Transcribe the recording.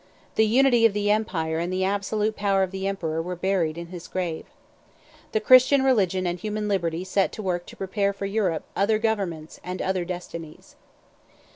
The unity of the empire and the absolute power of the emperor were buried in his grave. The Christian religion and human liberty set to work to prepare for Europe other governments and other destinies.